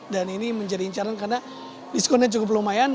dan ini menjadi incaran karena diskonnya cukup lumayan